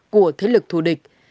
của thế lực thù địch